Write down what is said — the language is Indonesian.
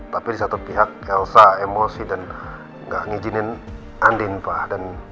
tapi di satu pihak elsa emosi dan nggak ngizinin andin pak